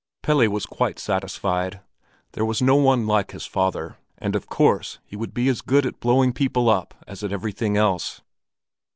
Pelle was quite satisfied. There was no one like his father, and of course he would be as good at blowing people up as at everything else.